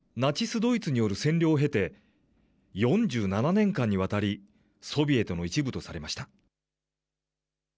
その後、ナチス・ドイツによる占領を経て、４７年間にわたり、ソビエトの一部とされました。